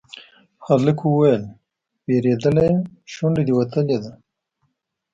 هلک وويل: وېرېدلی يې، شونډه دې وتلې ده.